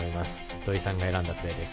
土居さんが選んだプレーです。